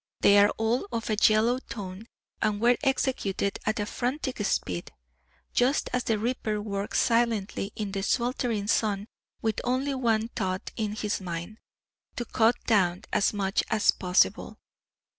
They are all of a yellow tone, and were executed at a frantic speed, just as the reaper works silently in the sweltering sun, with only one thought in his mind to cut down as much as possible.